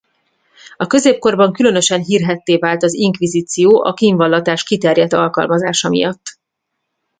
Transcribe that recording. A középkorban különösen hírhedtté vált az inkvizíció a kínvallatás kiterjedt alkalmazása miatt.